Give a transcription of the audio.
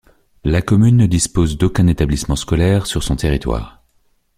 La commune ne dispose d'aucun établissement scolaire sur son territoire.